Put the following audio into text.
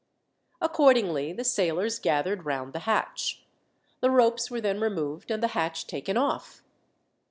Accordingly, the sailors gathered round the hatch. The ropes were then removed, and the hatch taken off.